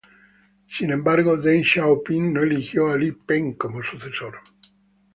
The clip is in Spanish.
Sin embargo, Deng Xiaoping no eligió a Li Peng como sucesor.